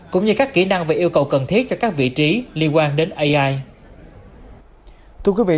cũng như các kỹ năng và yêu cầu cần thiết cho các vị trí liên quan đến ai